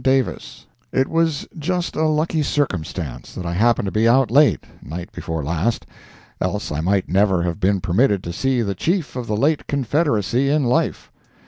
DAVIS IT WAS just a lucky circumstance that I happened to be out late night before last, else I might never have been permitted to see the chief of the late Confederacy in life.